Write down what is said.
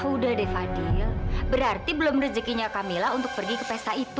udah deh fadil berarti belum rezekinya camilla untuk pergi ke pesta itu